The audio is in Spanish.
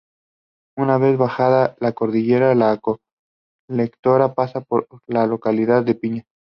Una vez bajada la cordillera, la colectora pasa por la localidad de Piñas.